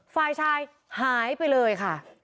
ฝ่ายชายหายไปเลยค่ะ